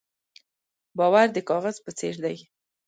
باور د کاغذ په څېر دی.